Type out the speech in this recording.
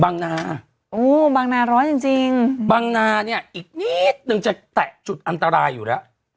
นาโอ้บางนาร้อนจริงจริงบางนาเนี่ยอีกนิดนึงจะแตะจุดอันตรายอยู่แล้ว